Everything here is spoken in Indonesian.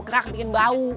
kerak bikin bau